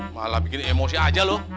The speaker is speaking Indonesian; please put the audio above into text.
malah bikin emosi aja loh